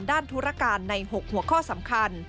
ธุรการใน๖หัวข้อสำคัญ